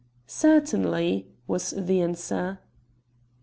"Certainly," was the answer.